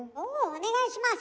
お願いします。